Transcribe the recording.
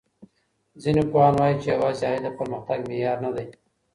ځينې پوهان وايي چي يوازي عايد د پرمختګ معيار نه دی.